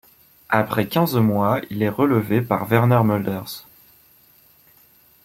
Après quinze mois, il est relevé par Werner Mölders.